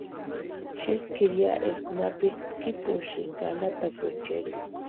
Xeskiri ya eska napisï tskipusïnka anhatapuecheri.